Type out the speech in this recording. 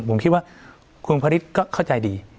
ผมคิดว่าคุณพระฤทธิ์ก็เข้าใจดี